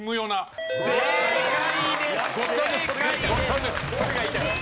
正解です。